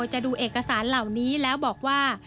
จะดูเอกสารเหล่านี้แล้วบอกว่า